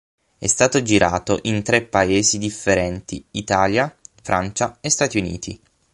È stato girato in tre paesi differenti Italia, Francia e Stati Uniti.